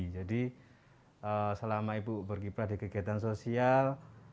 jadi selama ibu berkiprah di kegiatan sosial